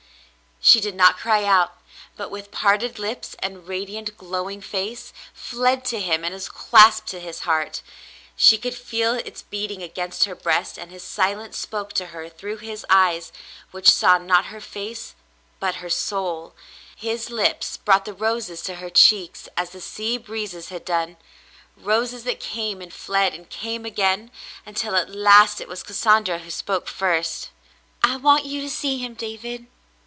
She did not cry out, but with parted lips and radiant, glowing face, fled to him and was clasped to his heart. She could feel its beating against her breast, and his silence spoke to her through his eyes, which saw not her face but her soul ; his lips brought the roses to her cheeks as the sea breezes had done — roses that came and fled The Shadow Lifts 303 and came again — until at last it was Cassandra who spoke first. "I want you to see him, David."